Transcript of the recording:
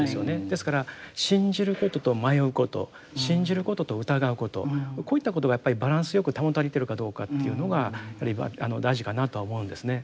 ですから信じることと迷うこと信じることと疑うことこういったことがやっぱりバランスよく保たれてるかどうかというのが大事かなとは思うんですね。